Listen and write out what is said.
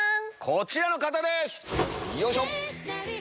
こちらの方です。